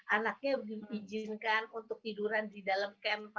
anaknya diizinkan untuk tiduran di dalam kem